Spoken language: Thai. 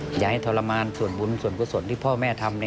อย่าให้ทรมานส่วนบุญส่วนกุศลที่พ่อแม่ทำ